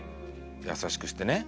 優しくしてね。